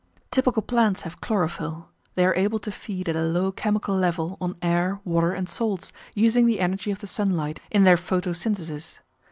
Typical plants have chlorophyll; they are able to feed at a low chemical level on air, water, and salts, using the energy of the sunlight in their photosynthesis.